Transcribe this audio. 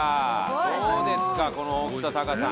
どうですか、この大きさは。